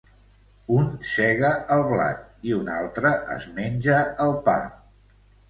Un sega el blat i un altre es menja el pa.